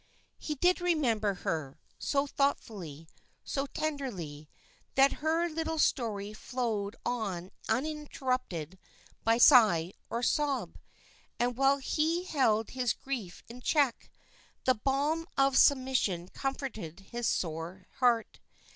He did remember her, so thoughtfully, so tenderly, that her little story flowed on uninterrupted by sigh or sob; and while he held his grief in check, the balm of submission comforted his sore heart.